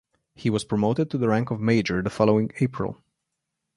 He was promoted to the rank of major the following April.